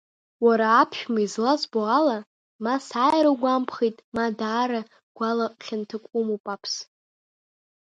Уара аԥшәма, излазбо ала, ма сааира угәамԥхеит ма даара гәала хьанҭак умоуп Аԥс.